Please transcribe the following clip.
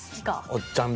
おっちゃん